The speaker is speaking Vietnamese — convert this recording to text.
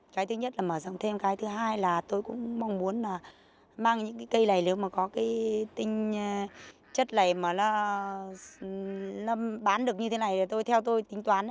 vì tinh chất này mà bán được như thế này theo tôi tính toán